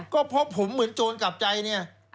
ก็เพราะผมเหมือนโจรกลับใจเนี่ย